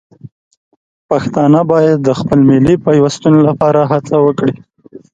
پښتانه باید د خپل ملي پیوستون لپاره هڅه وکړي.